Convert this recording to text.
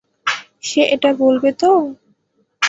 সে এটা বলবে তো?